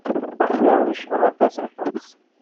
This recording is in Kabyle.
Aql-aɣ necɣel aṭas, aṭas.